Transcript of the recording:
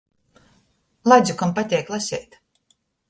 Ladzukam pateik laseit.